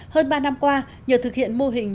hơn ba năm qua nhờ thực hiện mô hình